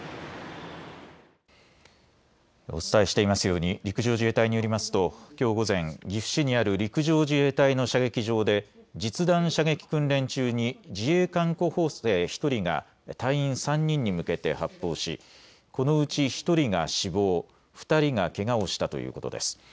お伝えしていますように陸上自衛隊によりますときょう午前、岐阜市にある陸上自衛隊の射撃場で実弾射撃訓練中に自衛官候補生１人が隊員３人に向けて発砲しこのうち１人が死亡、２人がけがをしたということです。